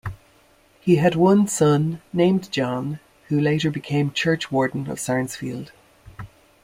He had one son, named John, who later became churchwarden of Sarnesfield.